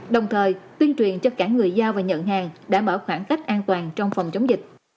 đồng thời tuyên truyền cho cả người giao và nhận hàng đảm bảo khoảng cách an toàn trong phòng chống dịch